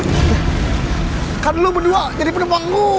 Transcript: hai kamu berdua jadi penumpangmu ya kan ya